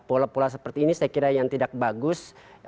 pola pola seperti ini saya kira yang tidak bagus